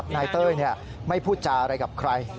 เต้ยไม่พูดจาอะไรกับใคร